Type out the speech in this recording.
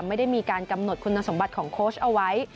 ไม่ได้มีการกำหนดคุณสมบัติของโค้ชเอาไว้